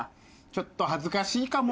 ちょっと恥ずかしいかも。